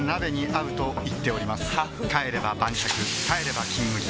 帰れば晩酌帰れば「金麦」